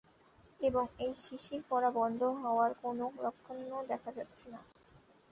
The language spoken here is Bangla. এবং, এই শিশির পড়া বন্ধ হওয়ার কোনও লক্ষণ দেখা যাচ্ছে না।